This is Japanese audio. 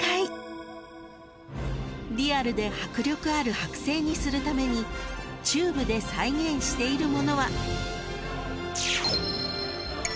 ［リアルで迫力ある剥製にするためにチューブで再現しているものは］